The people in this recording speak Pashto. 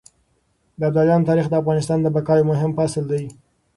د ابدالیانو تاريخ د افغانستان د بقا يو مهم فصل دی.